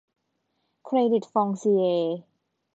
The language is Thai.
เครดิตฟองซิเอร์